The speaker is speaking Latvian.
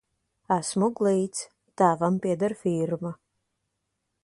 Esmu glīts, tēvam pieder firma.